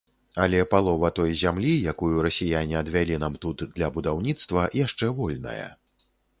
Але палова той зямлі, якую расіяне адвялі нам тут для будаўніцтва, яшчэ вольная.